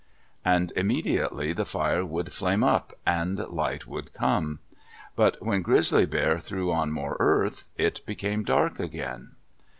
And immediately the fire would flame up and light would come; but when Grizzly Bear threw on more earth it became dark again.